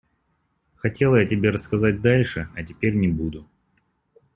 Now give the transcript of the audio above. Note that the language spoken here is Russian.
Хотела я тебе рассказать дальше, а теперь не буду.